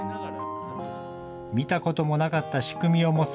見たこともなかった仕組みを持つ